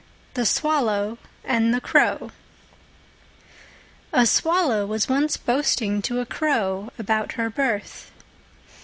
THE SWALLOW AND THE CROW A Swallow was once boasting to a Crow about her birth.